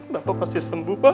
bapak pasti sembuh pak